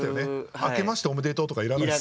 「明けましておめでとうとかいらないです」